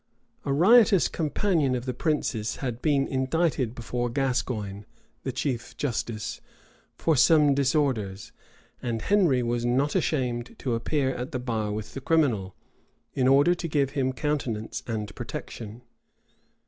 A riotous companion of the prince's had been indicted before Gascoigne, the chief justice, for some disorders; and Henry was not ashamed to appear at the bar with the criminal, in order to give him countenance and protection.